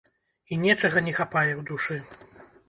І нечага не хапае ў душы.